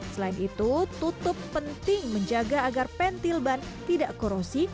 selain itu tutup penting menjaga agar pentil ban tidak korosi